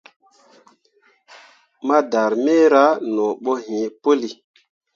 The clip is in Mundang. Ma darmeera no bo iŋ puli.